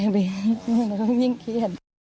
มันก็ยิ่งเครียด